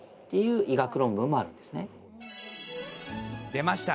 出ました！